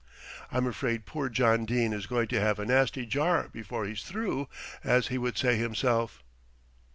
I'm afraid poor John Dene is going to have a nasty jar before he's through, as he would say himself."